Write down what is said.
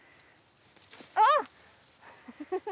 あっ！